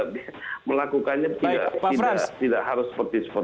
jadi melakukannya tidak harus seperti seformen mas